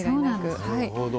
なるほど。